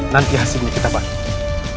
nanti hasilnya kita bantu